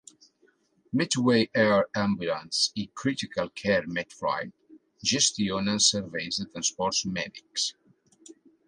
Medway Air Ambulance i Critical Care Medflight gestionen serveis de transports mèdics.